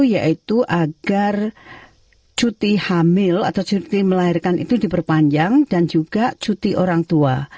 yaitu agar cuti hamil atau cuti melahirkan itu diperpanjang dan juga cuti orang tua